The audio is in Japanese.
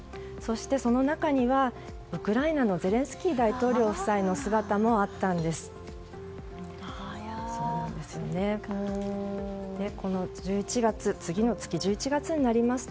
その中には、ウクライナのゼレンスキー大統領夫妻の姿もあったんです。